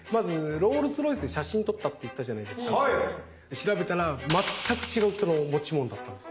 調べたら全く違う人の持ち物だったんです。